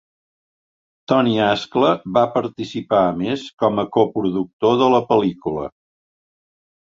Toni Ascla va participar a més com a coproductor de la pel·lícula